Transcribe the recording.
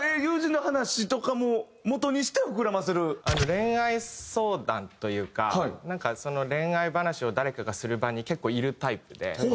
恋愛相談というかなんかその恋愛話を誰かがする場に結構いるタイプで。